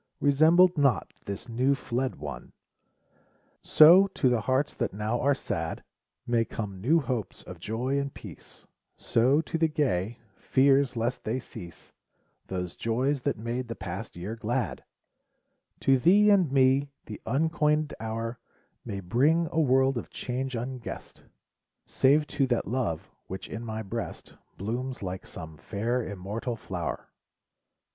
Resembled not this new fled one — So, to the hearts that now are sad, May come new hopes of joy and peace, So, to the gay, fears lest they cease, Those joys that made the past year glad ! 76 New Year's Day. To thee and me, the uncoin'd hour May bring a world of change unguess'd, (Save to that love, which in my breast Blooms like some fair immortal flower).